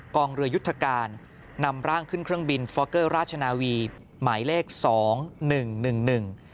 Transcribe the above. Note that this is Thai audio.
กองเรือยุทธการนำร่างขึ้นเครื่องบินฟอกเกอร์ราชนาวีหมายเลขสองหนึ่งหนึ่งหนึ่ง